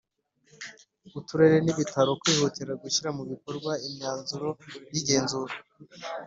Uturere n Ibitaro kwihutira gushyira mu bikorwa imyanzuro y igenzura